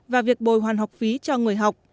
và việc bồi hoàn học phí cho người học